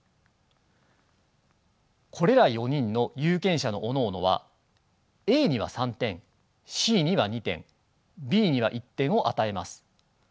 これら４人の有権者のおのおのはＡには３点Ｃには２点Ｂには１点を与えます。